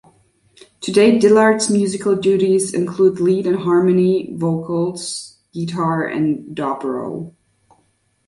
Today, Dillard's musical duties include lead and harmony vocals, guitar, and dobro.